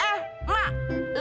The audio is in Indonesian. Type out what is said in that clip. lu tuh harus di